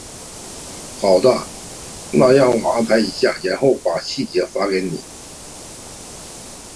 好的，那让我安排一下，然后把细节发给你。